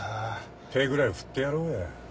手ぐらい振ってやろうや。